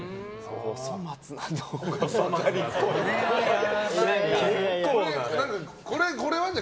お粗末な動画って。